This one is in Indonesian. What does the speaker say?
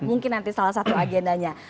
mungkin nanti salah satu agendanya